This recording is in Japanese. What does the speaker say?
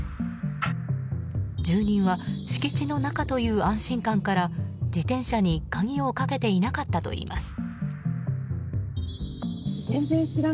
住人は敷地の中という安心感から自転車に鍵をかけていなかったといいます。